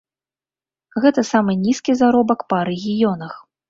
Гэта самы нізкі заробак па рэгіёнах.